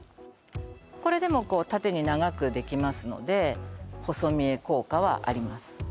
これでも縦に長くできますので細見え効果はあります